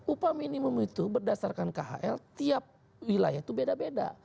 upah minimum itu berdasarkan khl tiap wilayah itu beda beda